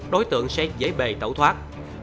đối tượng sẽ dễ bề tẩu thoát